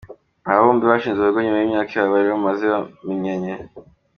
Aba bombi bashinze urugo nyuma y’imyaka bari bamaze bamenyanye.